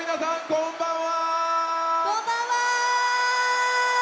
こんばんは！